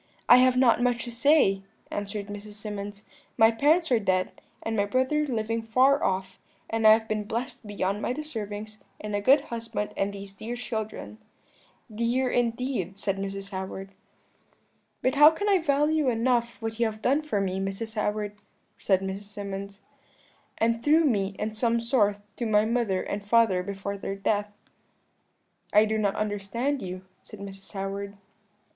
"'I have not much to say,' answered Mrs. Symonds; 'my parents are dead, and my brother living far off: and I have been blessed beyond my deservings in a good husband and these dear children.' "'Dear, indeed,' said Mrs. Howard. "'But how can I value enough what you have done for me, Mrs. Howard?' said Mrs. Symonds, 'and through me, in some sort, to my mother and father before their death.' "'I do not understand you,' said Mrs. Howard.